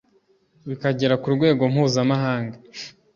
bikagera ku rwego mpuzamahanga